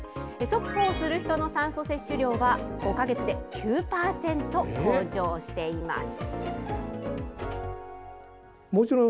速歩をする人の酸素摂取量は５か月で９％向上しています。